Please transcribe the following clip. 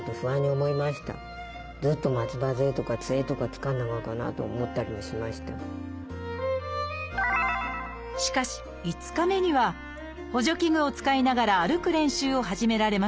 それでも関根さんはやっぱりしかし５日目には補助器具を使いながら歩く練習を始められました。